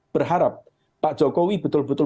berharap pak jokowi betul betul